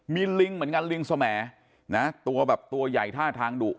มีลิงเหมือนกันลิงสมแหนะตัวแบบตัวใหญ่ท่าทางดุ